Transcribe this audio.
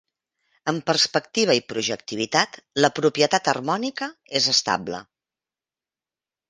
Amb perspectiva i projectivitat, la propietat harmònica és estable.